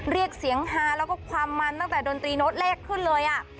เรียกเสียงฮาแล้วก็ความมันตั้งแต่ดนตรีโน้ตเลขขึ้นเลย